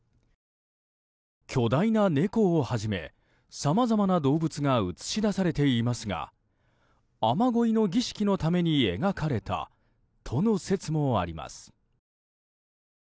巨大な猫をはじめさまざまな動物が写し出されていますが雨乞いの儀式のために描かれたとの説もあります。